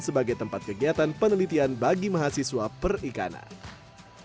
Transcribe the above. sebagai tempat kegiatan penelitian bagi mahasiswa perikanan